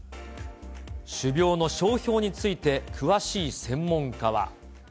種苗の商標について詳しい専門家は。